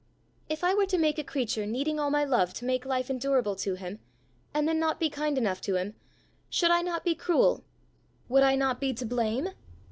If I were to make a creature needing all my love to make life endurable to him, and then not be kind enough to him, should I not be cruel? Would I not be to blame?